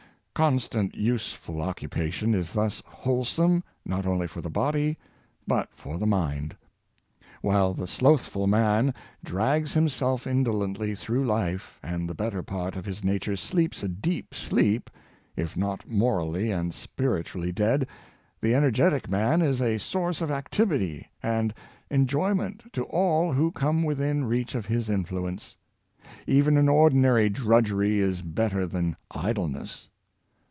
Constant useful occupation is thus wholesome, not only for the bod}^, but for the mind. While the sloth ful man drags himself indolently through life, and the better part of his nature sleeps a deep sleep, if not mor ally and spiritually dead, the energetic man is a source of activity and enjoyment to all who come within reach of his influence. Even any ordinary drudgery is better than idleness.